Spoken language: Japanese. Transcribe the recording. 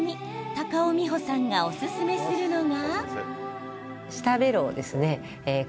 高尾美穂さんがおすすめするのが。